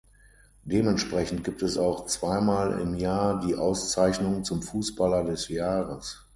Dementsprechend gibt es auch zweimal im Jahr die Auszeichnung zum Fußballer des Jahres.